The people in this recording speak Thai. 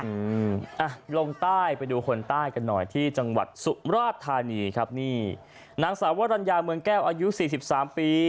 อืมอ่ะลงใต้ไปดูคนใต้กันหน่อยที่จังหวัดสุมราชธานีครับนี่นางสาววรรณยาเมืองแก้วอายุสี่สิบสามปี